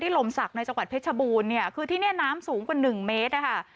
ที่ลมศักดิ์ในจังหวัดเพชรบูรณ์คือที่นี่น้ำสูงกว่า๑เมตร